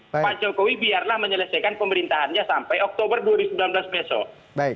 pak jokowi biarlah menyelesaikan pemerintahannya sampai oktober dua ribu sembilan belas besok